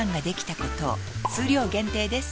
数量限定です